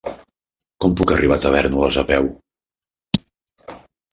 Com puc arribar a Tavèrnoles a peu?